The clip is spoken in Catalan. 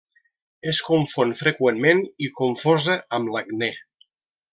Es confon freqüentment i confosa amb l'acne.